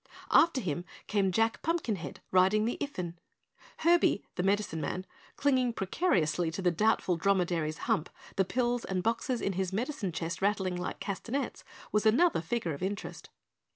After him came Jack Pumpkinhead, riding the Iffin. Herby, the Medicine Man, clinging precariously to the Doubtful Dromedary's hump, the pills and boxes in his medicine chest rattling like castanets, was another figure of interest.